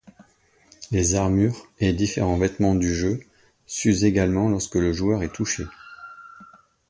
Les armures et différents vêtements du jeu s'usent également lorsque le joueur est touché.